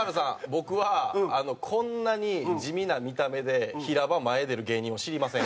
僕はこんなに地味な見た目で平場前へ出る芸人を知りません。